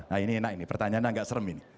nah ini enak ini pertanyaan ini enggak serem ini